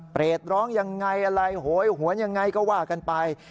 เปรตร้องยังไงอะไรโหยหวนยังไงก็ว่ากันไป